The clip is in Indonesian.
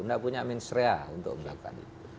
tidak punya amin sria untuk melakukan itu